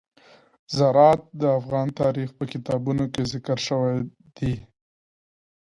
زراعت د افغان تاریخ په کتابونو کې ذکر شوی دي.